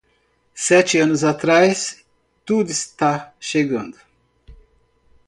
Sete anos atrás, tudo está chegando.